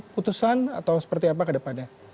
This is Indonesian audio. putusan atau seperti apa ke depannya